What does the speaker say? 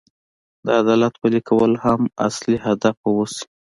د عدالت پلي کول هم اصلي هدف واوسي.